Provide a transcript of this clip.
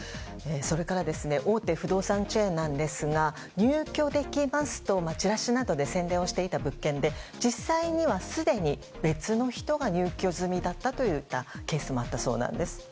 それから、大手不動産チェーンは入居できますとチラシなどで宣伝していた物件で実際には、すでに別の人が入居済みだったといったケースもあったそうなんです。